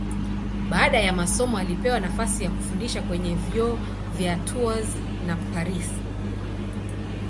Baada ya masomo alipewa nafasi ya kufundisha kwenye vyuo vya Tours na Paris.